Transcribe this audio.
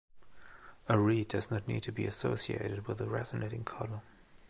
A reed does not need to be associated with a resonating column.